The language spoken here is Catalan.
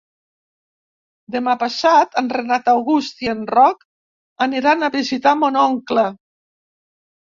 Demà passat en Renat August i en Roc aniran a visitar mon oncle.